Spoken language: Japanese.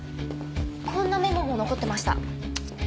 こんなメモも残ってました。